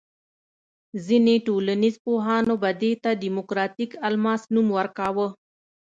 ځینې ټولنیز پوهانو به دې ته دیموکراتیک الماس نوم ورکاوه.